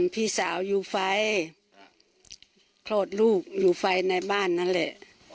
พี่สาวอยู่ไฟคลอดลูกอยู่ไฟในบ้านนั่นแหละ